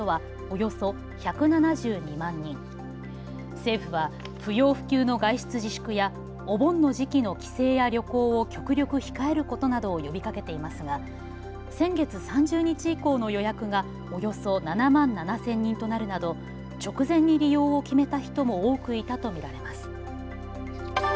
政府は不要不急の外出自粛やお盆の時期の帰省や旅行を極力控えることなどを呼びかけていますが先月３０日以降の予約がおよそ７万７０００人となるなど直前に利用を決めた人も多くいたと見られます。